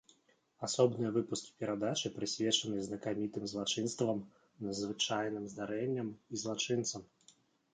Асобныя выпускі перадачы прысвечаныя знакамітым злачынствам, надзвычайным здарэнням і злачынцам.